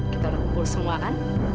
kita udah kumpul semua kan